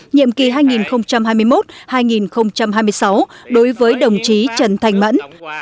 nhiệm kỳ hai nghìn hai mươi một hai nghìn hai mươi sáu đối với đồng chí trần thanh mẫn